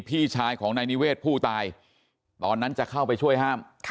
พี่ชายของนายนิเวศผู้ตายตอนนั้นจะเข้าไปช่วยห้าม